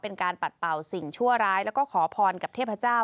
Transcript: เป็นการปัดเป่าสิ่งชั่วร้ายแล้วก็ขอพรกับเทพเจ้า